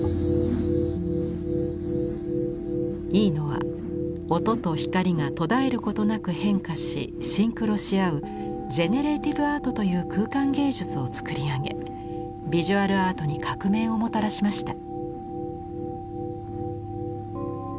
イーノは音と光が途絶えることなく変化しシンクロし合う「ジェネレーティヴ・アート」という空間芸術をつくりあげヴィジュアル・アートに革命をもたらしました。